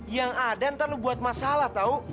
yang ada nanti lo buat masalah tahu